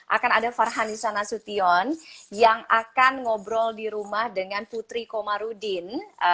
akan ada farhanisa nasution yang akan ngobrol di rumah dengan putri komarudin